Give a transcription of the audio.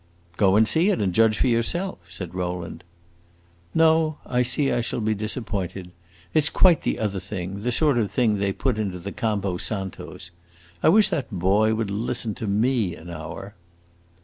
"Go and see it, and judge for yourself," said Rowland. "No, I see I shall be disappointed. It 's quite the other thing, the sort of thing they put into the campo santos. I wish that boy would listen to me an hour!"